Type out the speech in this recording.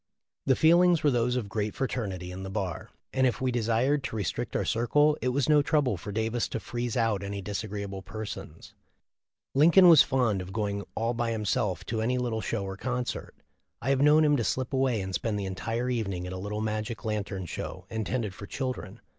The feelings were those of LIFE OF LINCOLN. 35 \ great fraternity in the bar, and if we desired to re strict our circle it was no trouble for Davis to freeze out any disagreeable persons. Lincoln was fond of going all by himself to any little show or concert. I have known him to slip away and spend the entire evening at a little magic lantern show intended for children.